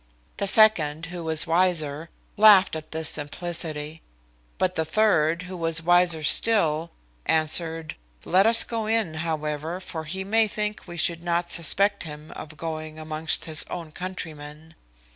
The second, who was wiser, laughed at this simplicity; but the third, who was wiser still, answered, "Let us go in, however, for he may think we should not suspect him of going amongst his own countrymen."